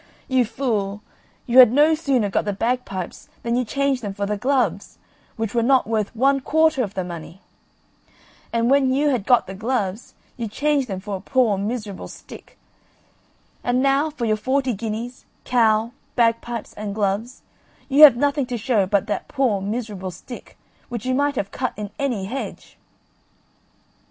You fool, you you had no sooner got the bagpipes than you changed them for the gloves, which were not worth one quarter of the money; and when you had got the gloves, you changed them for a poor miserable stick; and now for your forty guineas, cow, bagpipes, and gloves, you have nothing to show but that poor miserable stick, which you might have cut in any hedge."